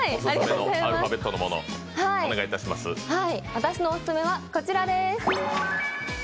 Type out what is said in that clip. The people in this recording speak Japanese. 私のオススメはこちらです。